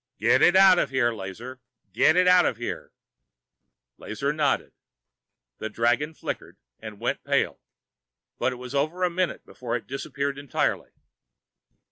"Get it out of here, Lazar! Get it out of here!" Lazar nodded. The dragon flickered and went pale, but it was over a minute before it disappeared entirely.